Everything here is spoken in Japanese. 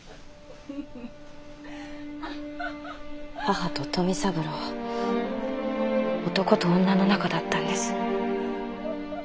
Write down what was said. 母と富三郎は男と女の仲だったんです。